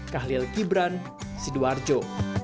kahlil gibran sidoarjo